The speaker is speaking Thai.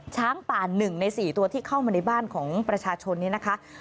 ช้างป่า๑ใน๔ตัวที่เข้ามาในบ้านของประชาชนนี้นะคะ